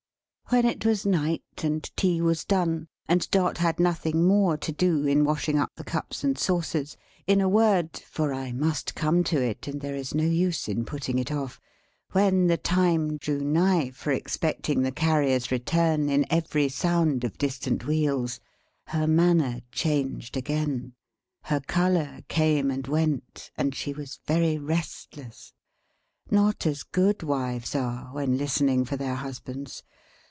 When it was night, and tea was done, and Dot had nothing more to do in washing up the cups and saucers; in a word for I must come to it, and there is no use in putting it off when the time drew nigh for expecting the Carrier's return in every sound of distant wheels; her manner changed again; her colour came and went; and she was very restless. Not as good wives are, when listening for their husbands.